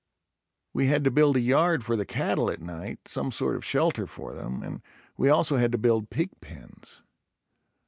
We had to build a yard for the cattle at night, some sort of shelter for them, and we also had to build pig pens.